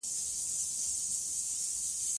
د افغانستان جغرافیه کې منی ستر اهمیت لري.